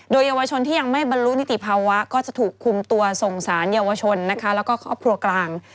โดยเยาวชนที่ยังไม่บรรลุนิติภาวะก็จะถูกคุมตัวส่งสารเยาวชนนะคะแล้วก็ครอบครัวกลาง